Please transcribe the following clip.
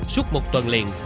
suốt một tuần liền